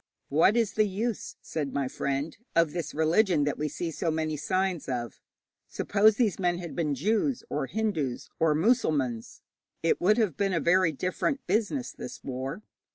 'What is the use,' said my friend, 'of this religion that we see so many signs of? Suppose these men had been Jews or Hindus or Mussulmans, it would have been a very different business, this war.